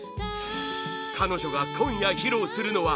彼女が今夜、披露するのは